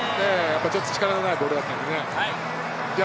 ちょっと力のないボールだったのでね。